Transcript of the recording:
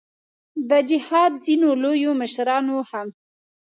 د جهاد ځینو لویو مشرانو هم.